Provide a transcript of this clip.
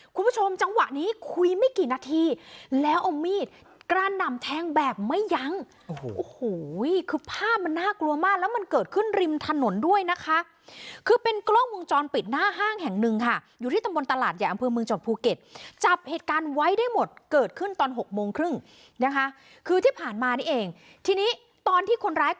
คุณผู้ชมจังหวะนี้คุยไม่กี่นาทีแล้วเอามีดกระหน่ำแทงแบบไม่ยั้งโอ้โหคือภาพมันน่ากลัวมากแล้วมันเกิดขึ้นริมถนนด้วยนะคะคือเป็นกล้องวงจรปิดหน้าห้างแห่งหนึ่งค่ะอยู่ที่ตำบลตลาดใหญ่อำเภอเมืองจังหวัดภูเก็ตจับเหตุการณ์ไว้ได้หมดเกิดขึ้นตอนหกโมงครึ่งนะคะคือที่ผ่านมานี่เองทีนี้ตอนที่คนร้าย